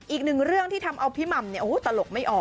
อีกหนึ่งเรื่องที่ทำเอาพี่หม่ำตลกไม่ออก